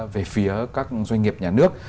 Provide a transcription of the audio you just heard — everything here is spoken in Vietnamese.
về phía các doanh nghiệp nhà nước